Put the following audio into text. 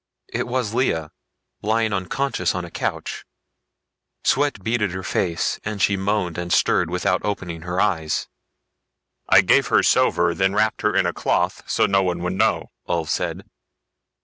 It was Lea, lying unconscious on a couch. Sweat beaded her face and she moaned and stirred without opening her eyes. "I gave her sover, then wrapped her in cloth so no one would know," Ulv said.